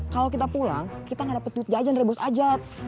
kalau kita pulang kita gak dapet duit jajan dari bos ajat